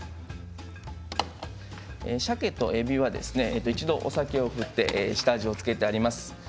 さけと、えびは一度、お酒を振って下味を付けてあります。